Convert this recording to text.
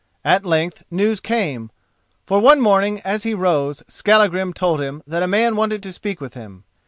At length news came. For one morning, as he rose, Skallagrim told him that a man wanted to speak with him.